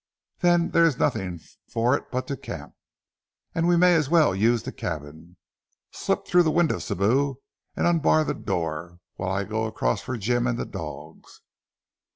"Then there is nothing for it but to camp. And we may as well use the cabin. Slip through the window, Sibou, and unbar the door, whilst I go across for Jim and the dogs."